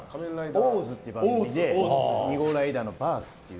「オーズ」という番組で２号ライダーのバースという。